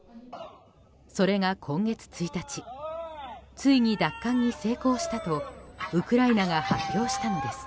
それが今月１日ついに奪還に成功したとウクライナが発表したのです。